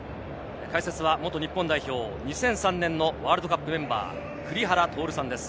解説は元日本代表、２００３年のワールドカップメンバー、栗原徹さんです。